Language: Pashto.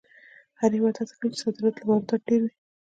هر هېواد هڅه کوي چې صادرات یې له وارداتو ډېر وي.